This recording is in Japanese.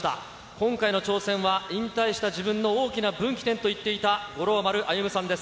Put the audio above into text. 今回の挑戦は、引退した自分の大きな分岐点と言っていた五郎丸歩さんです。